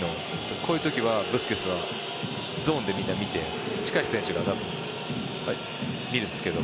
こういうときはブスケツはゾーンでみんな見て近い選手が見るんですけど。